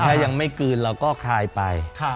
ถ้ายังไม่กลืนเราก็คลายไป